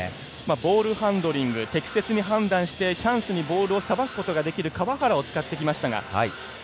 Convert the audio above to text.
ボールハンドリング適切に判断して、チャンスにボールをさばくことができる川原を使ってきましたが。